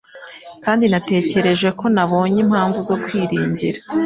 kandi natekereje ko nabonye impamvu zo kwiringira